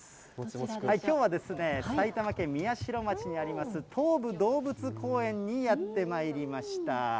きょうはですね、埼玉県宮代町にあります、東武動物公園にやってまいりました。